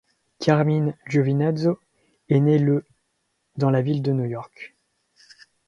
Carmine Giovinazzo est né le dans la ville de New York.